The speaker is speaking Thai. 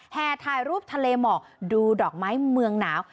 ถ่ายรูปทะเลหมอกดูดอกไม้เมืองหนาว